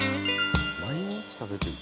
毎日食べてる。